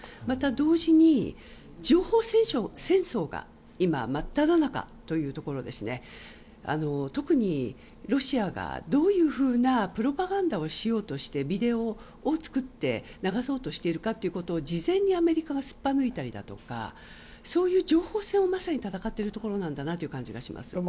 また、同時に情報戦争が今、真っただ中というところで特にロシアがどういうふうなプロパガンダをしようとしてビデオを作って流そうとしているかということを事前にアメリカがすっぱ抜いたりだとかそういう情報戦をまさに戦っているところなんだなと感じます。